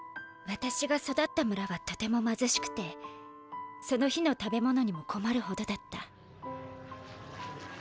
わたしが育った村はとてもまずしくてその日の食べ物にもこまるほどだった。